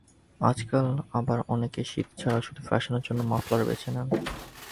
আজকাল আবার অনেকে শীত ছাড়াও শুধু ফ্যাশনের জন্য মাফলার বেছে নেন।